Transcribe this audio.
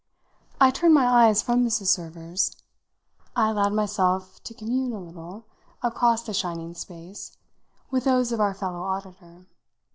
I turned my eyes from Mrs. Server's; I allowed myself to commune a little, across the shining space, with those of our fellow auditor.